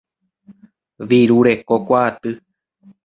Virurekokuaaty.